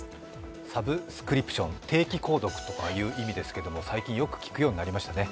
サブスクリプション、定期購読とかいう意味ですけれども最近よく聞くようになりましたね。